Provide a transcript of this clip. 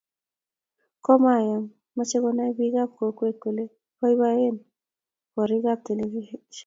komayam, meche konay biikap kokwet kole boiboen borikab terevainik